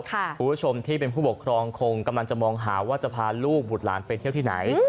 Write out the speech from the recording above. คุณผู้ชมที่เป็นผู้ปกครองคงกำลังจะมองหาว่าจะพาลูกบุตรหลานไปเที่ยวที่ไหน